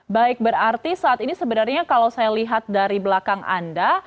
baik berarti saat ini sebenarnya kalau saya lihat dari belakang anda